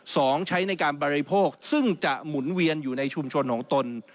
ใช้ในการบริโภคซึ่งจะหมุนเวียนอยู่ในชุมชนของตน